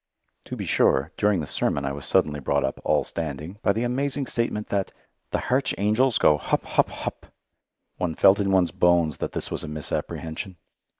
To be sure, during the sermon I was suddenly brought up "all standing" by the amazing statement that the "Harch Hangels go Hup, Hup, Hup." One felt in one's bones that this was a misapprehension.